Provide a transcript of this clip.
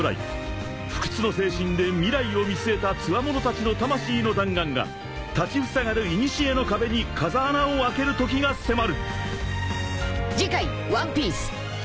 ［不屈の精神で未来を見据えたつわものたちの魂の弾丸が立ちふさがるいにしえの壁に風穴を開けるときが迫る］